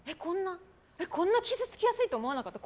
こんな傷つきやすいと思わなかった。